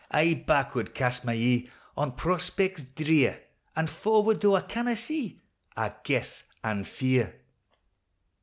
I backward cast my e'e On prospects drear; An' forward, though I canna see, I guess an' fear.